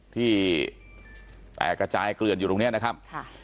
ที่แตกกระจายเกลือนอยู่ตรงนี้นะครับ